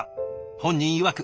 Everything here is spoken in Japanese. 本人いわく